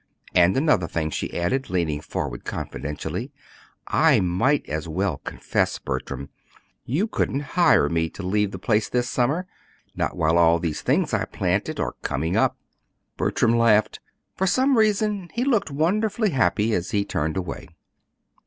And another thing," she added, leaning forward confidentially, "I might as well confess, Bertram, you couldn't hire me to leave the place this summer not while all these things I planted are coming up!" Bertram laughed; but for some reason he looked wonderfully happy as he turned away.